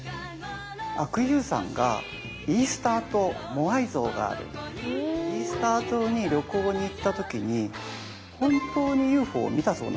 阿久悠さんがイースター島モアイ像があるイースター島に旅行に行った時に本当にＵＦＯを見たそうなんですよ。